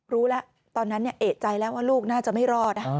รู้แล้วตอนนั้นเอกใจแล้วว่าลูกน่าจะไม่รอด